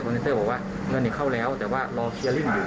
คอร์เซ็นเตอร์บอกว่าเงินมันเข้าแล้วแต่ว่ารอคีย์ริ่งอยู่